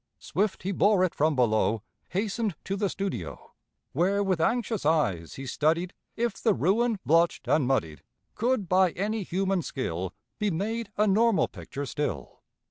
Swift he bore it from below, Hastened to the studio, Where with anxious eyes he studied If the ruin, blotched and muddied, Could by any human skill Be made a normal picture still.